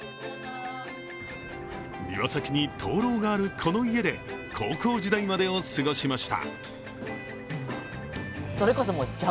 庭先に灯籠があるこの家で、高校時代までを過ごしました。